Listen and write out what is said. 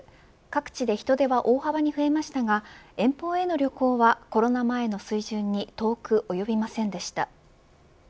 各地で人出は大幅に増えましたが遠方への旅行はコロナ前の水準に遠く及びませんでした。